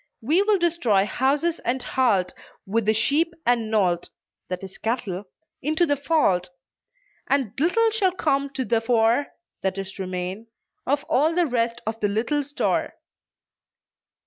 We will destroy houses and hald, With the sheep and nolt (i. e. cattle) into the fauld; And little shall come to the fore (i. e. remain,) Of all the rest of the little store."